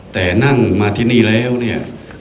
แต่นั่งมาที่นี่แล้วเนี่ย